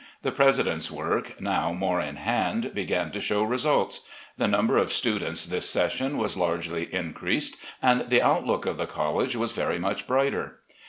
The President's work, now more in hand, began to show results. 'The number of students this session was largely increased and the outlook of the college was very much brighter.